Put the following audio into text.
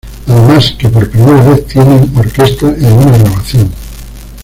Además que por primera vez tienen orquesta en una grabación.